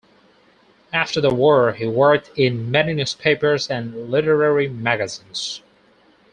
After the war he worked in many newspapers and literary magazines.